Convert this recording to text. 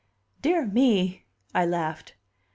"Dear me!" I laughed.